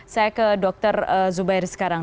saya ke dr zubairi sekarang